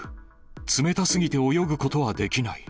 冷たすぎて泳ぐことはできない。